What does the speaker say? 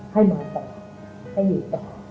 ให้นอนต่อให้อยู่ต่อ